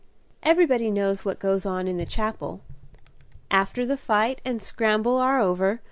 Everybody knows what goes on in the Chapel, after the fight and scramble are over.